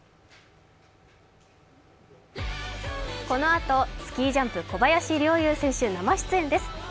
このあとスキージャンプ小林陵侑選手、生出演です。